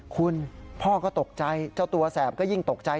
คุณพ่อก็ตกใจเจ้าตัวแสบก็ยิ่งตกใจ